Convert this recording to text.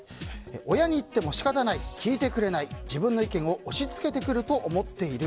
親に言っても仕方ない、聞いてくれない自分の意見を押し付けてくると思っている。